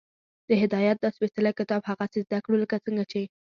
د هدایت دا سپېڅلی کتاب هغسې زده کړو، لکه څنګه چې